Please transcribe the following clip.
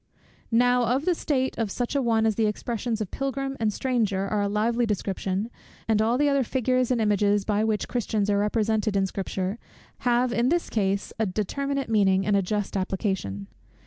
Now of the state of such an one the expressions of Pilgrim and Stranger are a lively description; and all the other figures and images, by which Christians are represented in Scripture, have in his case a determinate meaning and a just application.